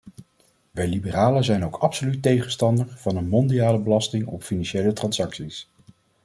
Wij liberalen zijn ook absoluut tegenstander van een mondiale belasting op financiële transacties.